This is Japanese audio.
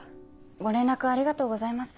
ご連絡ありがとうございます